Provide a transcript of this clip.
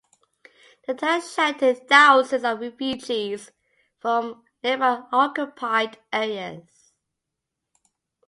The town sheltered thousands of refugees from nearby occupied areas.